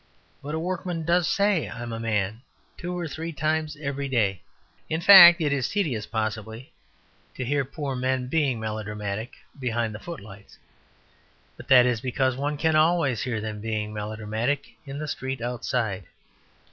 But a workman does say "I'm a man" two or three times every day. In fact, it is tedious, possibly, to hear poor men being melodramatic behind the footlights; but that is because one can always hear them being melodramatic in the street outside.